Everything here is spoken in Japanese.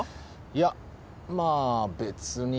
いやまあ別に。